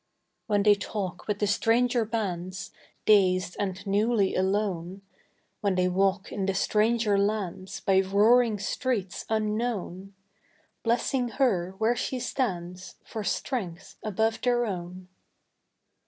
When they talk with the stranger bands, Dazed and newly alone; When they walk in the stranger lands, By roaring streets unknown; Blessing her where she stands For strength above their own.